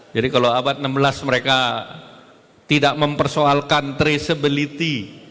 jadi kalau abad enam belas mereka tidak mempersoalkan traceability